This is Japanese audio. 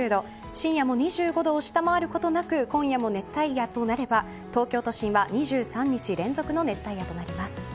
深夜も２５度を下回ることもなく今夜も熱帯夜となれば東京都心は２３日連続の熱帯夜となります。